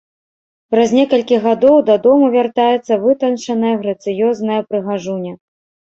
Праз некалькі гадоў дадому вяртаецца вытанчаная, грацыёзная прыгажуня.